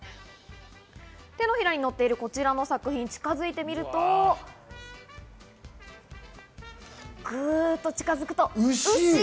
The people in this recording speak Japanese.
手のひらにのっているこちらの作品、近づいてみると、グッと近づくと、牛。